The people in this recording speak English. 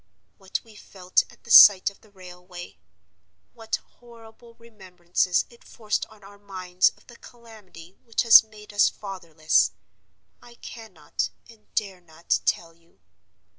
What we felt at the sight of the railway—what horrible remembrances it forced on our minds of the calamity which has made us fatherless—I cannot, and dare not, tell you.